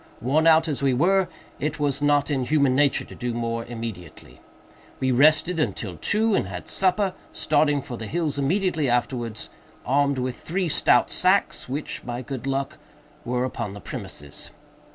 Worn out as we were, it was not in human nature to do more immediately. We rested until two, and had supper; starting for the hills immediately afterwards, armed with three stout sacks, which, by good luck, were upon the premises.